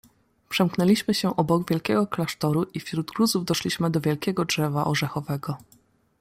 "Przemknęliśmy się obok wielkiego klasztoru i wśród gruzów doszliśmy do wielkiego drzewa orzechowego."